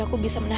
baik baik saja ya